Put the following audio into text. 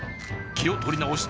気を取り直し